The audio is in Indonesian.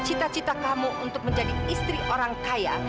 cita cita kamu untuk menjadi istri orang kaya